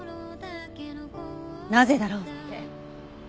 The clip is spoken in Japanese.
なぜだろうって。